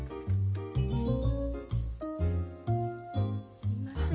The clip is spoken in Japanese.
すいません。